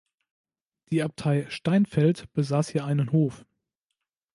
Die Abtei Steinfeld besaß hier einen Hof.